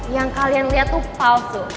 yang kalian lihat tuh palsu